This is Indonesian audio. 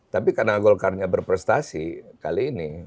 tapi karena golkarnya berprestasi kali ini